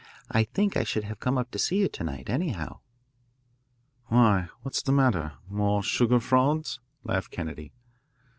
I think I should have come up to see you to night, anyhow." "Why, what's the matter more, sugar frauds?" laughed Kennedy.